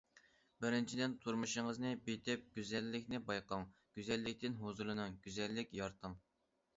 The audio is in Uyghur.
بىرىنچىدىن، تۇرمۇشىڭىزنى بېيىتىپ، گۈزەللىكنى بايقاڭ، گۈزەللىكتىن ھۇزۇرلىنىڭ، گۈزەللىك يارىتىڭ.